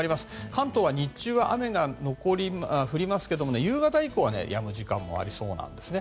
関東は日中は雨が降りますけど夕方以降はやむ時間もありそうなんですね。